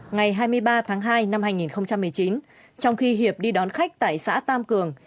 ngày hai mươi ba tháng hai năm hai nghìn một mươi chín trong khi hiệp đi đón khách tại xã tam cường